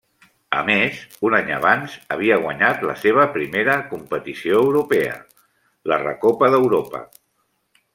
A més, un any abans havia guanyat la seva primera competició europea, la Recopa d'Europa.